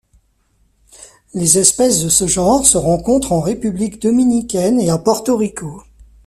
Les espèces de ce genre se rencontrent en République dominicaine et à Porto Rico.